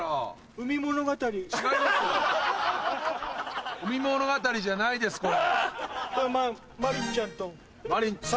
「海物語」じゃないですこれ。